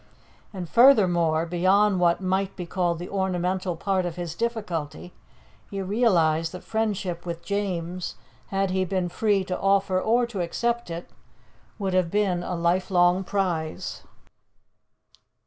And furthermore, beyond what might be called the ornamental part of his difficulty, he realized that friendship with James, had he been free to offer or to accept it, would have been a lifelong prize.